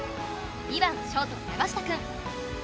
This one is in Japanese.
２番ショート山下くん